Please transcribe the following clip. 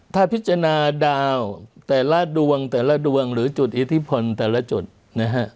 ถ้าพิจารณาดาวแต่ละดวงแต่ละดวงหรือจุดอิทธิพลแต่ละจุดนะฮะ